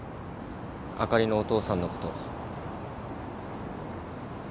あかりのお父さんのこと。